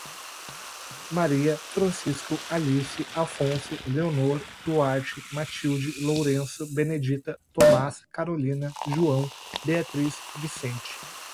Maria, Francisco, Alice, Afonso, Leonor, Duarte, Matilde, Lourenço, Benedita, Tomás, Carolina, João, Beatriz, Vicente